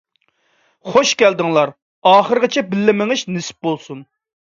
خۇش كەلدىڭلار، ئاخىرىغىچە بىللە مېڭىش نېسىپ بولسۇن.